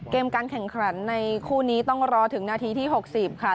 การแข่งขันในคู่นี้ต้องรอถึงนาทีที่๖๐ค่ะ